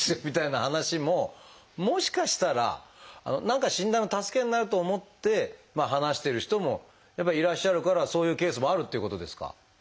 みたいな話ももしかしたら何か診断の助けになると思って話している人もやっぱいらっしゃるからそういうケースもあるっていうことですか？